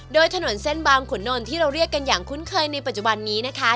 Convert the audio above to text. โดยถนนเส้นบางขุนนท์ที่เราเรียกกันอย่างคุ้นเคยในปัจจุบันนี้นะคะ